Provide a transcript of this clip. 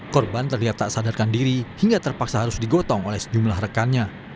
korban terlihat tak sadarkan diri hingga terpaksa harus digotong oleh sejumlah rekannya